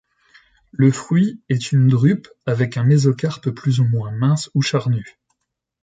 Le fruit est une drupe avec un mésocarpe plus ou moins mince ou charnu.